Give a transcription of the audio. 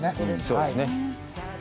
そうですね